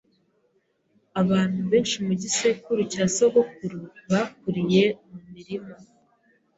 Abantu benshi mu gisekuru cya sogokuru bakuriye mu mirima.